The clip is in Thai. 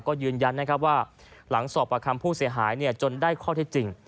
ก็ยืนยันนะครับว่าหลังสอบประคำผู้เสียหายจนได้ข้อเท็จจริง